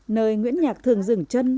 nơi nguyễn nhạc thường dừng chân